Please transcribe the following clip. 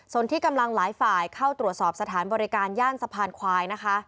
ส่วนที่กำลังหลายฝ่ายเข้าตรวจสอบสถานบริการย่านสะพานควายนะคะ